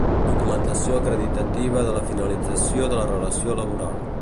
Documentació acreditativa de la finalització de la relació laboral.